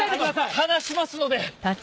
話しますので。